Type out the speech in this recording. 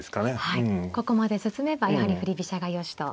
はいここまで進めばやはり振り飛車がよしと。